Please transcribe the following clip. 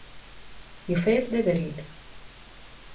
Yufa-yas-d abrid!